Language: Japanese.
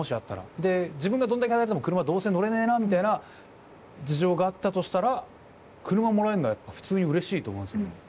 で自分がどんだけ働いても車どうせ乗れねえなみたいな事情があったとしたら車もらえるのは普通にうれしいと思うんすよね。